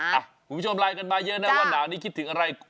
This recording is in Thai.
คุณผู้ชมไลน์กันมาเยอะนะว่าหนาวนี้คิดถึงอะไร